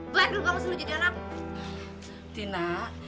buat dulu kamu seluji anak